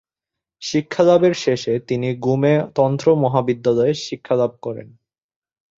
শিক্ষালাভের শেষে তিনি গ্যুমে তন্ত্র মহাবিদ্যালয়ে শিক্ষালাভ করেন।